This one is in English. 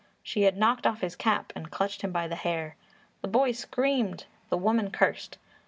She had knocked off his cap and clutched him by the hair. The boy screamed, the woman cursed.